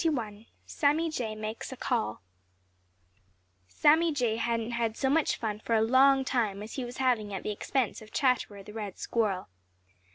*XXI* *SAMMY JAY MAKES A CALL* Sammy Jay hadn't had so much fun for a long time as he was having at the expense of Chatterer the Red Squirrel.